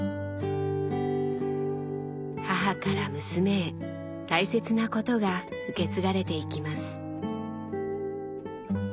母から娘へ大切なことが受け継がれていきます。